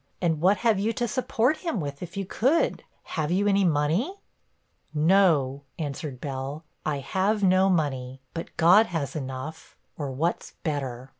And what have you to support him with, if you could? Have you any money?' 'No,' answered Bell, 'I have no money, but God has enough, or what's better!